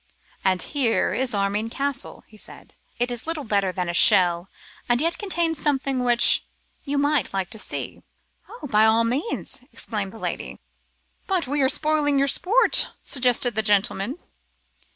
'And here is Armine Castle,' he said; 'it is little better than a shell, and yet contains something which you might like to see.' 'Oh! by all means,' exclaimed the lady. 'But we are spoiling your sport,' suggested the gentleman.